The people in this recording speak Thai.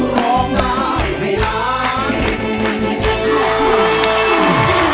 ร้องได้ไม่ล้าง